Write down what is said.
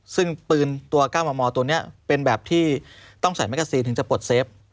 ซึ่งปืนตัว๙มมตัวนี้เป็นแบบที่ต้องใส่แมกกาซีนถึงจะปลดเซฟ